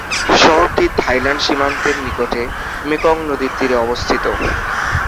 শহরটি থাইল্যান্ড সীমান্তের নিকটে মেকং নদীর তীরে অবস্থিত।